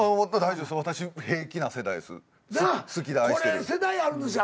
これ世代あるんですよ